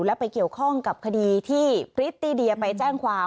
และไปเกี่ยวข้องกับคดีที่พริตตี้เดียไปแจ้งความ